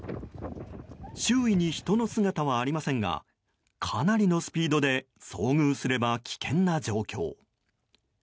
周囲に人の姿はありませんがかなりのスピードで遭遇すれば危険な状況。